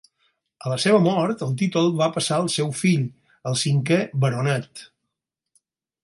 A la seva mort el títol va passar al seu fill, el cinquè baronet.